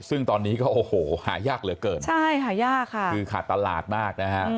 ซึ่งตอนนี้ก็หายากเหลือเกินคือขาดตลาดมากนะฮะ